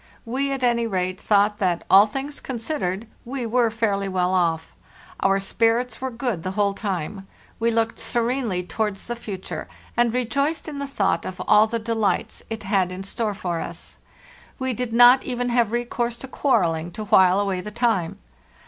We at any rate thought that, all things considered, we were fairly well off. Our spirits were good the whole time; we looked serenely towards the future, and rejoiced in the thought of all the delights it had in store for us. We did not even have recourse to quarrelling to while away the time.